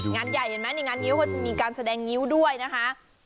งานใหญ่มีการแสดงงิ้วด้วยนะคะ